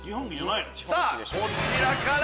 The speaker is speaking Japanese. さぁこちらから。